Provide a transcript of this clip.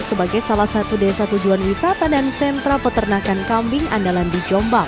sebagai salah satu desa tujuan wisata dan sentra peternakan kambing andalan di jombang